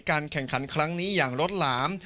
แข่งขันครั้งนี้อย่างล้นหลาม